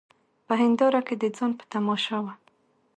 په هینداره کي د ځان په تماشا وه